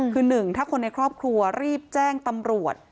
คือหนึ่งถ้าคนในครอบครัวรีบแจ้งตำรวจ